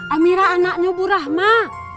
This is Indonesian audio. amirah anaknya bu rahmat